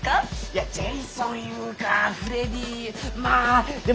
いやジェイソンいうかフレディまあでも。